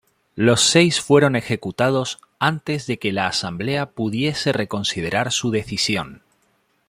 Los seis fueron ejecutados antes de que la asamblea pudiese reconsiderar su decisión.